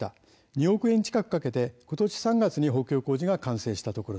２億円近くかけてことし３月に補強工事が完成しました。